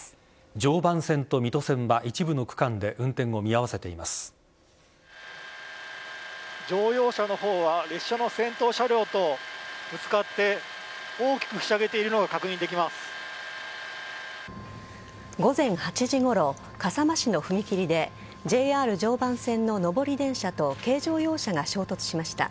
常磐線と水戸線は一部の区間で乗用車の方は列車の先頭車両とぶつかって大きくひしゃげているのが午前８時ごろ、笠間市の踏切でＪＲ常磐線の上り電車と軽乗用車が衝突しました。